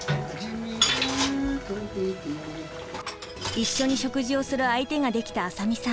一緒に食事をする相手ができた浅見さん。